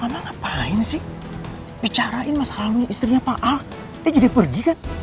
mama ngapain sih bicarain masalahnya istrinya pak al dia jadi pergi kan